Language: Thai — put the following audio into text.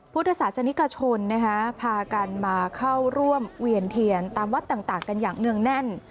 พุทธศาสนิกชนพากันมาเข้าร่วมเวียนเทียนตามวัดต่างกันอย่างเนื่องแน่น